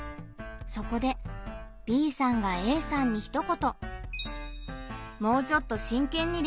そこでＢさんがＡさんにひと言。